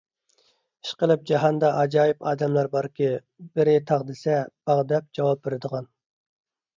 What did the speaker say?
ئىشقىلىپ جاھاندا ئاجايىپ ئادەملەر باركى، بىرى تاغ دېسە، باغ دەپ جاۋاب بېرىدىغان.